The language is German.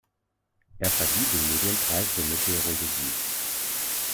Er verlieh den Medienpreis für Meteorologie.